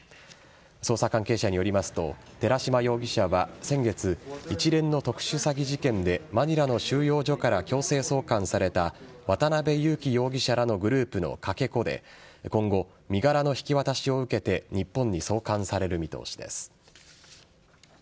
捜査関係者によりますと寺島容疑者は先月、一連の特殊詐欺事件でマニラの収容所から強制送還された渡辺優樹容疑者らのグループのかけ子で今後、身柄の引き渡しを受けて日本に送還される見通しです。